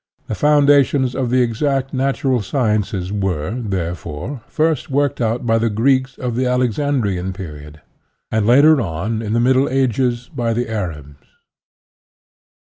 The foundations of the exact natural sciences were, therefore, first worked out by the Greeks of the Alexandrian period, and later UTOPIAN AND SCIENTIFIC 79 on, in the Middle Ages, by the Arabs.